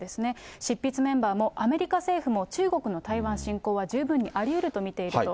執筆メンバーも、アメリカ政府も中国の台湾侵攻は十分にありえると見ていると。